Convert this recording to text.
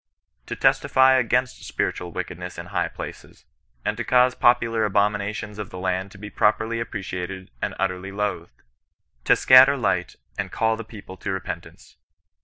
To testify against spiritual wickedness in high places, and to cause the popular abominations of the land to be properly appre ciated and utterly loathed. To scatter light and call the people to repentance.